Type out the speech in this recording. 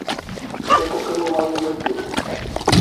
Bá sia nyɔkɛnyɔkɛk tíe newe bá sia mukoloŋok tíe newe.